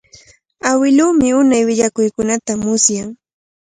Awiluumi unay willakuykunata musyan.